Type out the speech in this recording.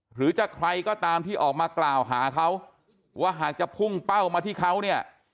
หรือจะใครก็ตามที่ออกมากล่าวหาเขาว่าหากจะพุ่งเป้ามาที่เขาเนี่ย